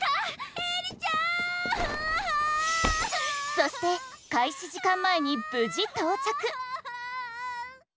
そして開始時間前に無事到着。